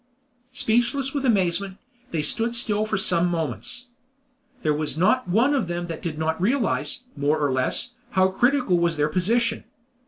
Speechless with amazement, they stood still for some moments. There was not one of them that did not realize, more or less, how critical was their position.